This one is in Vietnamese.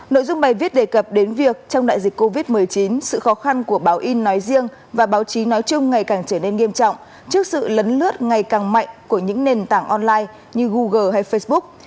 nội dung bài viết đề cập đến việc trong đại dịch covid một mươi chín sự khó khăn của báo in nói riêng và báo chí nói chung ngày càng trở nên nghiêm trọng trước sự lấn lướt ngày càng mạnh của những nền tảng online như google hay facebook